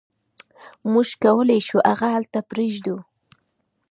موږ کولی شو هغه هلته پریږدو